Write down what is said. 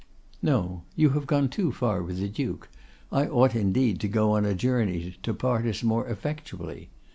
—'No, you have gone too far with the Duke. I ought indeed to go a journey to part us more effectually.